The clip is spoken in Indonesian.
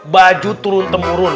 baju turun temurun